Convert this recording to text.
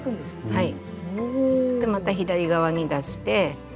はい。